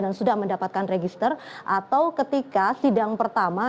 dan sudah mendapatkan register atau ketika sidang pertama